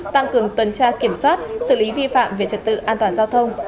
tăng cường tuần tra kiểm soát xử lý vi phạm về trật tự an toàn giao thông